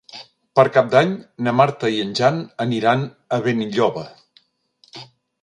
Per Cap d'Any na Marta i en Jan aniran a Benilloba.